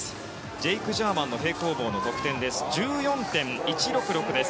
ジェイク・ジャーマンの平行棒の得点は１４．１６６です。